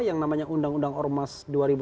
yang namanya undang undang ormas dua ribu empat belas